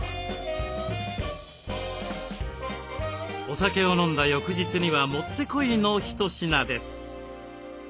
お酒を飲んだ翌日には持ってこいの一品です。